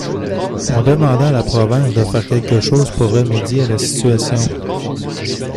On demanda à la province de faire quelque chose pour remédier à la situation.